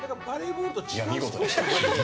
見事でした。